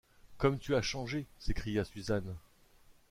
comme tu as changé! s’écria Suzanne.